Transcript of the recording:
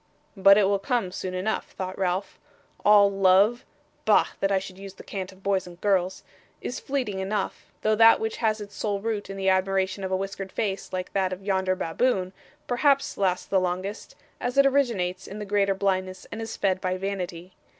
'But it will come soon enough,' thought Ralph; 'all love bah! that I should use the cant of boys and girls is fleeting enough; though that which has its sole root in the admiration of a whiskered face like that of yonder baboon, perhaps lasts the longest, as it originates in the greater blindness and is fed by vanity.